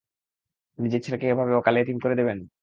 নিজের ছেলেকে এভাবে অকালে এতিম করে দেবেন?